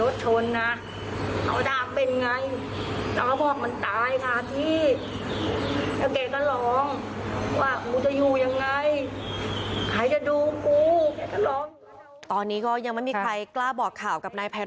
ตอนนี้ก็ยังไม่มีใครกล้าบอกข่าวกับนายภัยรัฐ